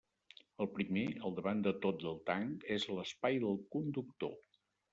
El primer, al davant de tot del tanc, és l'espai del conductor.